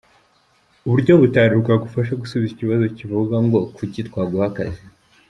Uburyo butanu bwagufasha gusubiza ikibazo kivuga ngo “kuki twaguha akazi”.